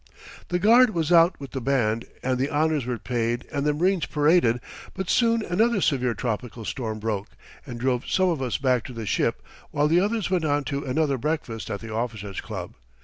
The guard was out with the band, and the honours were paid and the marines paraded, but soon another severe tropical storm broke, and drove some of us back to the ship while the others went on to another breakfast at the Officers' Club.